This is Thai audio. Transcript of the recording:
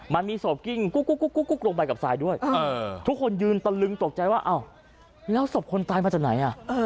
มันมีศพกิ้งกุ๊กลงไปกับทรายด้วยทุกคนยืนตะลึงตกใจว่าอ้าวแล้วศพคนตายมาจากไหน